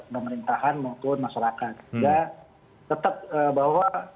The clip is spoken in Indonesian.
baik kalangan pemerintahan maupun masyarakat